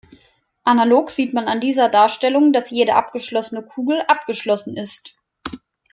Analog sieht man an dieser Darstellung, dass jede abgeschlossene Kugel abgeschlossen ist.